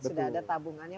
sudah ada tabungannya